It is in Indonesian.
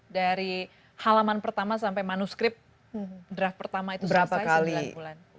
dari halaman pertama sampai manuskrip draft pertama itu selesai sembilan bulan